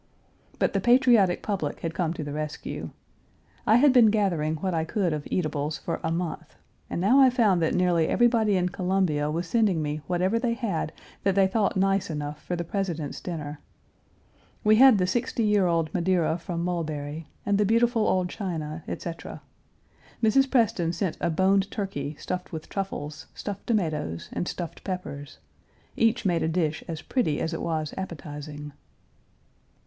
But the patriotic public had come to the rescue. I had been gathering what I could of eatables for a month, and now I found that nearly everybody in Columbia was sending me whatever they had that they thought nice enough for the President's dinner. We had the sixty year old Madeira from Mulberry, and the beautiful old china, etc. Mrs. Preston sent a boned turkey stuffed with truffles, stuffed tomatoes, and stuffed peppers. Each made a dish as pretty as it was appetizing.